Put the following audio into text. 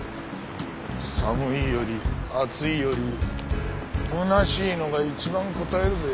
寒いより暑いより空しいのが一番こたえるぜ。